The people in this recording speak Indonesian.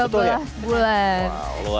wah luar biasa